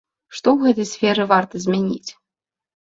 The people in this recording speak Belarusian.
Што ў гэтай сферы варта змяніць?